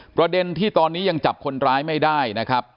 ประเด็นที่ตอนนี้ยังจับคนร้ายไม่ได้นะครับ